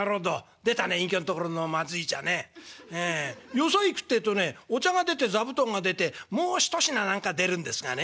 よそ行くってえとねお茶が出て座布団が出てもう一品何か出るんですがね」。